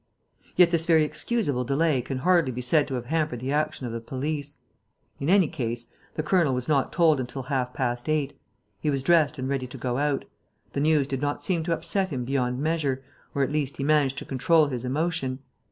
Yet this very excusable delay can hardly be said to have hampered the action of the police. In any case, the colonel was not told until half past eight. He was dressed and ready to go out. The news did not seem to upset him beyond measure, or, at least, he managed to control his emotion.